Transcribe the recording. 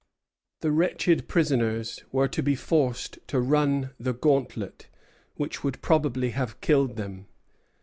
The wretched prisoners were to be forced to "run the gauntlet," which would probably have killed them.